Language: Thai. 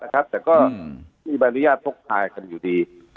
แต่ก็ไม่มีบริลยาธิภพพลายกันอยู่ดี